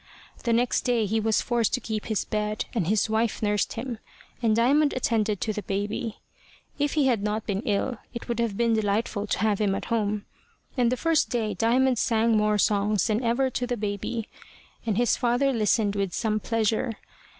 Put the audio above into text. The next day he was forced to keep his bed, and his wife nursed him, and Diamond attended to the baby. If he had not been ill, it would have been delightful to have him at home; and the first day Diamond sang more songs than ever to the baby, and his father listened with some pleasure.